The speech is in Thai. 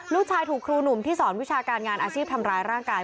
ลูกชายถูกครูหนุ่มที่สอนวิชาการงานอาชีพทำร้ายร่างกาย